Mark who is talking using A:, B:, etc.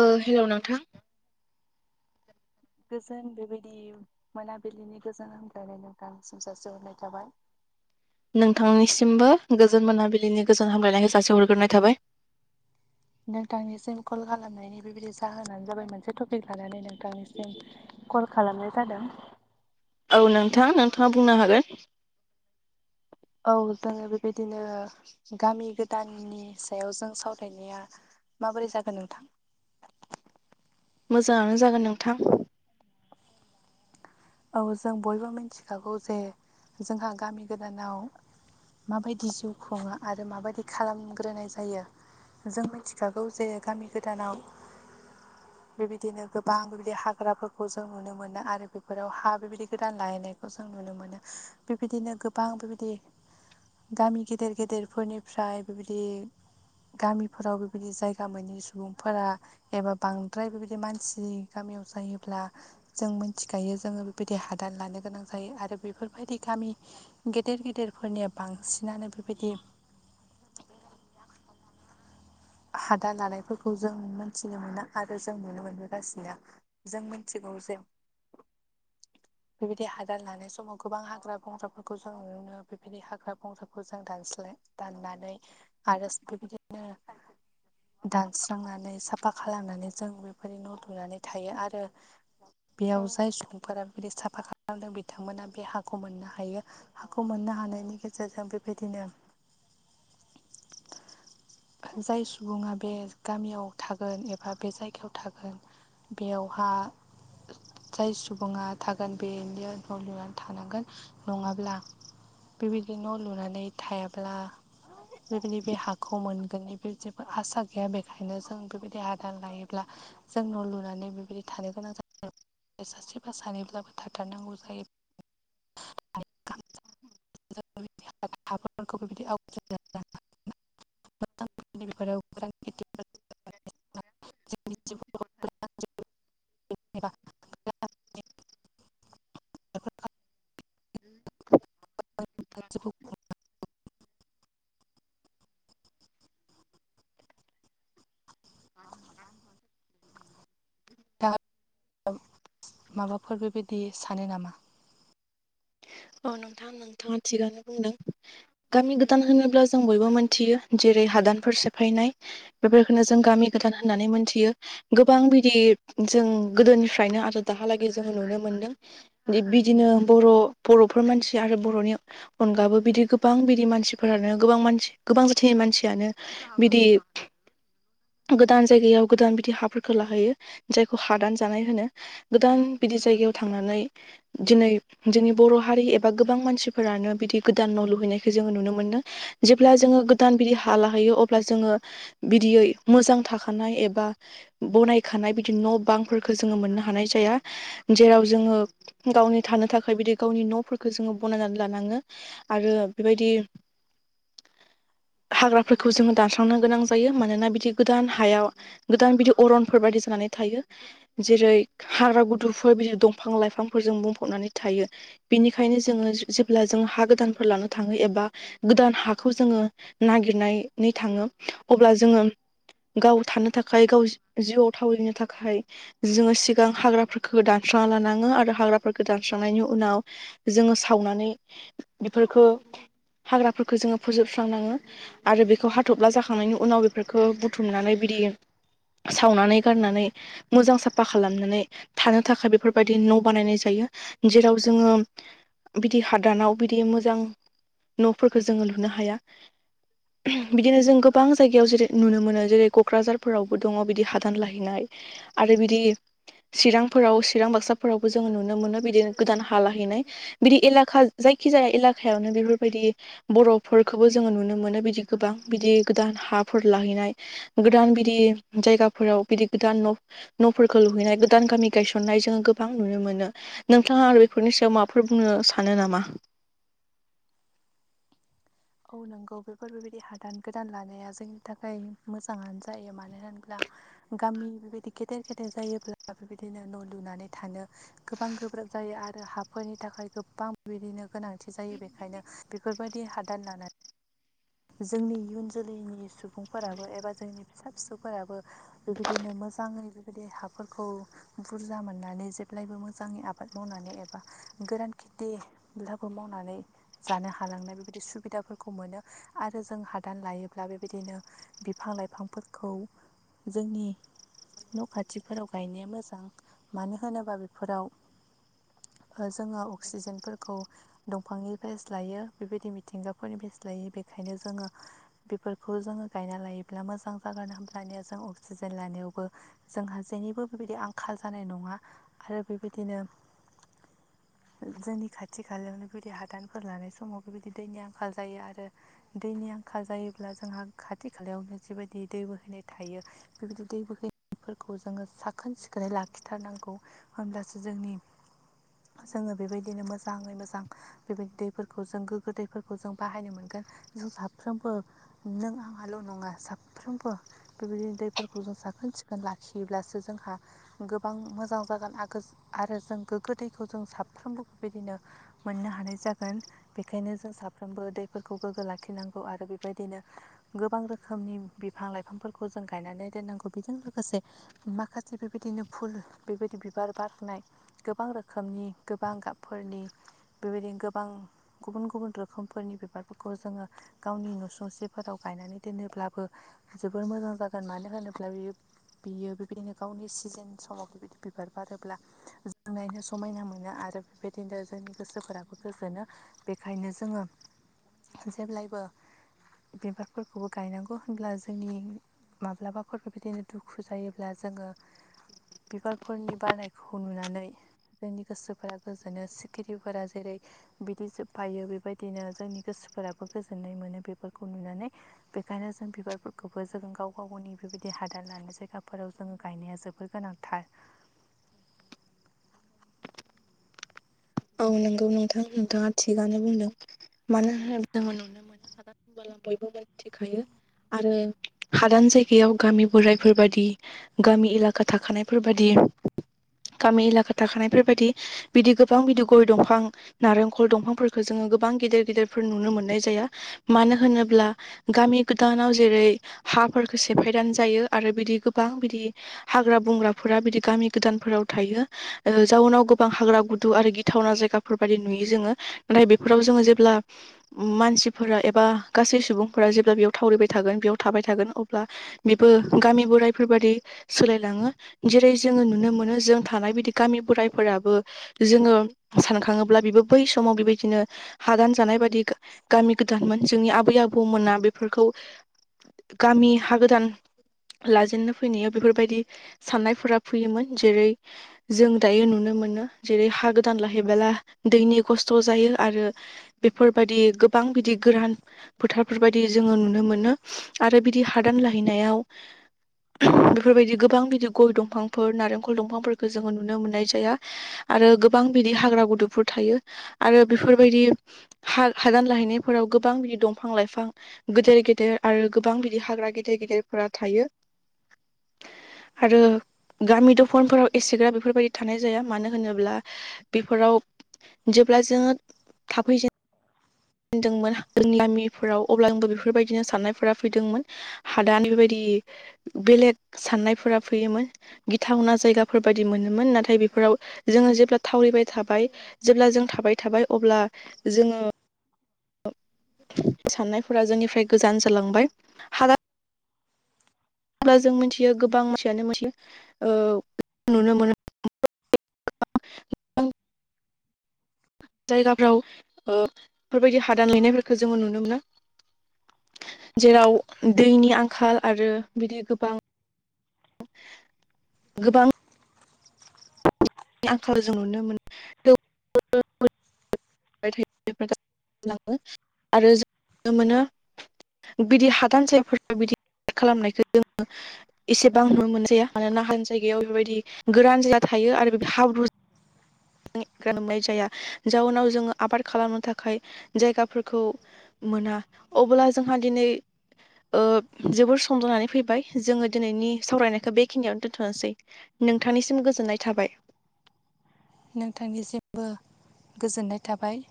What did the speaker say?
A: ओ हेलौ नोंथां
B: गोजोन बेबायदि मोनाबिलिनि गोजोन हामलायनाय नोंथां निसिम जासि हरनाय थाबाय
A: नोंथांनिसिमबो गोजोन मोनाबिलिनि गोजोन हामलायनायखौ जासि हरग्रोनाय थाबाय
B: नोंथांनिसिम कल खालामनायनि बेबायदि जाहोनानो जाबाय मोनसे टपिक लानानै नोंथांनिसिम कल खालामनाय जादों
A: औ नोंथां नोंथाङा बुंनो हागोन
B: औ जोङो बेबायदिनो गामि गोदाननि सायाव जों सावरायनाया माबोरै जागोन नोंथां
A: मोजाङानो जागोन नोंथां
B: [unintelligible] औ जों बयबो मोनथिखागौ जे जोंहा गामि गोदानाव माबायदि जिउ खुङो आरो माबादि खालामग्रोनाय जायो जों मिथिखागौ जे गामि गोदानाव बेबायदिनो गोबां बिबादि हाग्रा खौ जों नुनो मोनो आरो बेफोराव हा बिबायदि गोदान लायनायखौ जों नुनो मोनो बिबादिनो गोबां बिबादि गामि गेदेर गेदेरफोरनिफ्राय बिबादि गामिफोराव बेबायदि जायगा मोनि सुबुंफोरा एबा बांद्राय बेबायदि मानसि गामियाव जायोब्ला जों मोनथिखायो जोङो बेबायदि हादान लानो गोनां जायो आरो बेफोरबायदि गामि गेदेर गेदेरफोरनिया बांसिनानो बेबायदि [inaudible] हादा लानायफोरखौ जों मोनथिनो मोनो आरो जों नुनो मोनबोगासिनो जों मोन [unintelligible] बेबायदि हादान लानाय समाव गोबां हाग्रा बंग्राफोरखौ जों नुनो मोनो बेबायदि हाग्रा बंग्राखौ जों दानस्लाय दाननानै आरो बे बायदिनो दानस्रांनानै साफा खालामनानै जों बेफोरबादि न' लुनानै थायो आरो
A: औ
B: बेयाव जाय सुबुंफोरा बिदि साफा खा लामदों बिथांमोना बे हाखौ मोननो हायो हाखौ मोननो हानायनि गेजेरजों बेबायदिनो [inaudible] जाय सुबुङा बे गामियाव थागोन एबा बे जायगायाव थागोन बेयावहा जाय सुबुङा थागोन बेनि न' लुनानै थानांगोन नङाब्ला बेबायदि न' लुनानै थायाब्ला बेबायदि बे हाखौ मोनगोननि बे जेबो आसा गैया बेखायनो जों बेबायदि हादान लायोब्ला जों न' लुनानै बेबायदि थानो गोनां जायो, सासेबा सानैब्लाबो थाथारनांगौ जायो [unintelligible]
A: [inaudible]
B: [unintelligible] हाफोरखौ बे बायदि आवग्रिना [unintelligible] [unintelligible] [unintelligible] [unintelligible] बेफोर बादि [unintelligible] [unintelligible]
A: [inaudible]
B: [unintelligible] माबाफोर बेबायदि सानो नामा
A: औ नोंथां नोंथाङा थिगानो बुंदों गामि गोदान होनोब्ला जों बयबो मोनथियो जेरै हादानफोर सेफायनाय बेफोरखौनो जों गामि गोदान होननानै मोन्थियो गोबां बिदि जों गोदोनिफ्रायनो आरो दाहालागै जोङो नुनो मोनदों बिदिनो बर' बर'फोर मानसि आरो बर'नि अनगाबो बिदि गोबां बिदि मानसिफोरानो गोबां मानसि गोबां जाथिनि मानसियानो बिदि गोदान जायगायाव गोदान बिदि हाफोरखौ लाहैयो जायखौ हादान जानाय होनो गोदान बिदि जायगायाव थांनानै दिनै जोंनि बर' हारि एबा गोबां मानसिफोरानो बिदि गोदान न' लुहैनायखौ जोङो नुनो मोनो जेब्ला जोङो गोदान बिदि हा लाहैयो अब्ला जोङो बिदियै मोजां थाखानाय एबा बनायखानाय बिदि न' बांफोरखौ जोङो मोननो हानाय जाया जेराव जोङो गावनि थानो थाखाय बिदि गावनि न'फोरखौ जोङो बनायनानै लानाङो आरो बेबायदि
B: [inaudible]
A: हाग्राफोरखौ जोङो दानस्रांनो गोनां जायो मानोना बिदि गोदान हायाव गोदान बिदि अरनफोर बायदि जानानै थायो जेरै हाग्रा गुदुंफोर बिदि दंफां लाइफांफोरजों बुंफबनानै थायो बिनिखायनो जोङो जेब्ला जों हा गोदानफोर लानो थाङो एबा गोदान हाखौ जोङो नागिरनानै थाङो अब्ला जोङो गाव थानो थाखाय गाव जिउआव थावरिनो थाखाय जोङो सिगां हाग्राफोरखौ दानस्रांना लानाङो आरो हाग्राफोरखौ दानस्रांनायनि उनाव जोङो सावनानै बेफोरखौ हाग्रा फोरखो जोङो फोजोबस्रां लाङो आरो बेखौ हाथफ्ला जाखांनायनि उनाव बेफोरखौ बुथुमनानै बिदि सावनानै गारनानै मोजां साफा खालामनानै थानो थाखाय बेफोरबायदि न' बानायनाय जायो जेराव जोङो बिदि हादानाव बिदि मोजां न'फोरखौ जोङो लुनो हाया बिदिनो जों गोबां जायगायाव जेरै नुनो मोनो जेरै क'क्राझारफोरावबो दङ' बिदि हादान लाहैनाय आरो बिदि चिरांफोराव चिरां बाक्साफोरावबो जोङो नुनो मोनो बिदिनो गोदान हा लाहैनाय बिदि एलाखा जायखिजाया एलकायावनो बेफोरबायदि बर'फोरखौबो जोङो नुनो मोनो बिदि गोबां बिदि गोदान हाफोर लाहैनाय गोदान बिदि जायगाफोराव बिदि गोदान न' न'फोरखौ लुहैनाय गोदान गामि गायसननाय जोोंङो गोबां नुनो मोनो नोंथाङा आरो बेफोरनि सायाव माबाफोर बुंनो सानो नामा?
B: [inaudible] औ नंगौ बेफोर बेबायदि हादान गोदान लानाया जोंनि थाखाय मोजाङानो जायो मानो होनोब्ला गामि बेबायदि गेदेर गेदेर जायोब्ला बेबायदिनो न' लुनानै थानो गोबां गोब्राब जायो आरो हाफोरनि थाखाय गोबां बिदिनो गोनांथि जायो बेखायनो बेफोरबायदि हादान लानाय जोंनि इयुन जोलैनि सुबुंफोराबो एबा जोंनि फिसा फिसौफोराबो बेबायदिनो मोजाङै बेबायदि हाफोरखौ बुरजा मोननानै जेब्लायबो मोजाङै आबाद मावनानै एबा गोरान खेथिब्लाबो मावनानै जानो हालांनाय बेबायदि सुबिदाफोरखौ मोनो आरो जों हादान लायोब्ला बेबायदिनो बिफां लाइफांफोरखौ जोंनि न' खाथिफोराव गायनाया मोजां मानो होनोबा बेफोराव जोङो अक्सिजेनफोरखौ दंफांनिफ्रायसो लायो बेबायदि मिथिंगाफोरनिफ्राय लायो बेखायनो जोङो बेफोरखौ जोङो गायना लायोब्ला मोजां जागोन होमब्लानिया जों अक्सिजेन लानायावबो जोंहा जेनिबो बेबायदि आंखाल जानाय नङा आरो बेबायदिनो जोंनि खाथि खालायावनो बिदि हादानफोर लानाय समाव बेबायदि दैनि आंखाल जायो आरो आरो दैनि आंखाल जायोब्ला जोंहा खाथि खालायावनो जिबायदि दै बोहैनाय थायो बेबायदि दै बोहैनायफोरखौ जोङो साखोन सिखोनै लाखिथारनांगौ होमब्लासो जोंनि जोङो बेबायदिनो मोजाङै मोजां बेबायदि दैफोरखौ जों गोग्गो दैफोरखौ जों बाहायनो मोनो जों साफ्रोमबो नों आंहाल' नङा साफ्रोमबो बेबायदिनो दैफोरखौ जों साखोन सिखोन लाखियोब्लासो जोंहा गोबां मोजां जागोन आगोज आरो जों गोग्गो दैखौ जों साफ्रोमबो बेबायदिनो मोननो हानाय जागोन बेखायनो जों साफ्रोमबो दै फोरखौ गोग्गो लाखिनांगौ आरो बेबायदिनो गोबां रोखोमनि बिफां लाइफांफोरखौ जों गायनानै दोननांगौ बेजों लोगोसे माखासे बेबायदिनो फुल बेबायदि बिबार बारनाय गोबां रोखोमनि गोबां गाबफोरनि बेबायदिनो गोबां गुबुन गुबुन रोखोमफोरनि बिबार फोर खौ जोङो गावनि न'सुंसेफोराव गायनानै दोनोब्लाबो जोबोर मोजां जागोन मानो होनोब्ला इयो बियो बेबायदिनो गावनि सिजेन समाव बेबायदि बिबार बारोब्ला जों नायनो समायना मोनो आरो बेबायदिनो जोंनि गोसोफोराबो गोजोनो बेखायनो जोङो जेब्लायबो बिबारफोरखौबो गायनांगौ होनब्ला जोंनि माब्लाबाफोर बेबायदिनो दुखु जायोब्ला जोङो बिबारफोरनि बारनायखौ नुनानै जोंनि गोसोफोरा गोजोनो सिखिरिफोरा जेरै बिदै सोबफायो बेबायदिनो जोंनि गोसोफोराबो गोजोननाय मोनो बेफोरखौ नुनानै बेखायनो जों बिबारफोरखौबो जों गाव गाव गावनि बेबायदि हादान लानाय जायगाफोराव जोङो गायनाया जोब र गोनांथार
A: औ नंगौ नोंथां नोंथाङा थिगानो बुंदों मानो होन जोङो नुनो मोनो बिबार बुंबाला बयबो मोनथिखायो आरो हादान जायगायाव गामि बोराइफोरबादि गामि एलाका थाखानायफोर बायदि गा‌मि एलाका थाखानायफोर बायदि बिदि गो बां बिदि गय दंफां नारेंखल दंफांफोरखौ जोङो गोबां गिदेर गिदेरफोर नुनो मोननाय जाया मानो होनोब्ला गामि गोदानाव जेरै हाफोरखौ सेफायनानै जायो आरो बिदि गोबां बिदि हाग्रा बंग्राफोरा बिदि गामि गोदानफोराव थायो जाउनाव गोबां हाग्रा गु दु आरो गिथावना जायगाफोर बायदि नुयो जोङो नाथाय बेफोराव जोङो जेब्ला मानसिफोरा एबा गासै सुबुंफोरा जेब्ला बेयाव थावरिबाय थागोन बेयाव थाबाय थागोन अब्ला बेबो गामि बोराइफोर बादि सोलायलाङो जेरै जोङो नुनो मोनो जों थानाय बिदि गामि बोराइफोराबो जोङो सानखाङोब्ला बेबो बै समाव बेबायदिनो हादान जानाय बादि गामि गोदानमोन जोंनि आबै आबौमोना बेफोरखौ गामि हा गोदान लाजेननो फैनायाव बेफोर बायदि साननायफोरा फैयोमोन जेरै जों दायो नुनो मोनो जेरै हा गोदानलाहैबाला दैनि खस्थ' जायो आरो बेफोर बायदि गोबां बिदि गोरान फोथारफोर बायदि जोङो नुनो मोनो आरो बिदि हादान लाहैनायाव बेफोर बायदि गोबां बिदि गय दंफांफोर नारेंखल दंफांफोरखौ जोङो नुनो मोननाय जाया। आरो गोबां बिदि हाग्रा गुदुंफोर थायो आरो बेफोर बायदि हा हादान लाहैनायफोराव गोबां बिदि दंफां-लाइफां गेदेर गेदेर आरो गोबां बिदि हाग्रा गेदेर गेदेरफोरा थायो। आरो गामि दफानफोराव एसेग्रा बेफोर बायदि थानाय जाया मानो। होनोब्ला बेफोराव जेब्ला जोङो थाफै जेन जेनदोंमोन जोंनि गामिफोराव अब्ला आंबो बेफोर बायदिनो साननायफोरा फैदोंमोन। हादान इफोर बायदि बेलेग साननायफोरा फैयोमोन गिथावना जायगाफोर बायदि मोनोमोन नाथाय बेफोराव जोङो जेब्ला थावरिबाय थाबाय जेब्ला जों थाबाय थाबाय अब्ला जोङो साननायफोरा जोंनिफ्राय गोजान जालांबाय हादा अब्ला जों मिथियो गोबां मानसियानो मोनसे ओ नुनो मोनो। गोबां जायगाफ्राव ओ बेफोर बायदि हादान लाहैनायफोरखो जोङो नुनो मोनो। जेराव दैनि आंखाल आरो बिदि गोबां गोबां आंखालाव जों नुनो मोनो [unintelligible] [unintelligible] आरो जों नुनो मोनो। बिदि हादान जायफोर बिदि खालामनायखौ जोङो-' एसेबां नुनो मोनजाया मानोना [unintelligible] जायगायाव बेबायदि गोरान जायगा थायो आरो बे हाब्रु मोननाय जाया जउनाव जोङो आबाद खालामनो थाखाय जायगाफोरखौ मोना अब्ला जोंहा दिनै ओ जोबोर सम जानानै फैबाय जोङो दिनैनि सावरायनायखो बेखिनियावनो दोनथ'नोसै। नोंथांनिसिम गोजोननाय थाबाय।
B: नोंथांनिसिमबो गोजोननाय थाबाय।